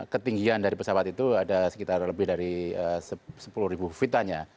ketinggian dari pesawat itu ada sekitar lebih dari sepuluh feetannya